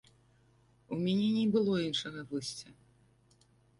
У мяне не было іншага выйсця.